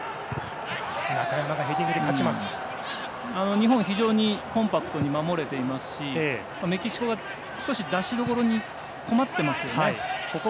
日本は非常にコンパクトに守れていますしメキシコが、少し出しどころに困っていますよね。